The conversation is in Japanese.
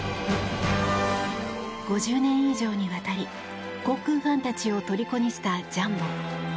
５０年以上にわたり航空ファンたちをとりこにしたジャンボ。